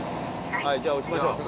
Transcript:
はいじゃあ押しましょう。